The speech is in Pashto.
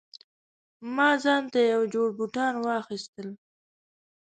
ما ځانته یو جوړ بوټان واخیستل